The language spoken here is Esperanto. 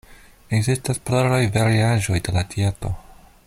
Ekzistas pluraj variaĵoj de la dieto.